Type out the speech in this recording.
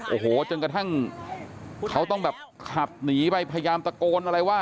โอ้โหจนกระทั่งเขาต้องแบบขับหนีไปพยายามตะโกนอะไรว่า